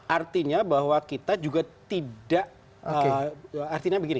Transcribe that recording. artinya bahwa kita juga tidak artinya begini